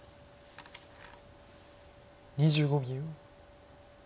２５秒。